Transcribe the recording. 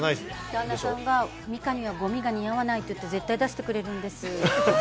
旦那さんは、ミカにはごみが似合わないって言って、絶対出してくれるんです。